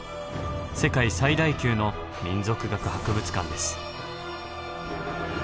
世界最大級の民族学博物館です。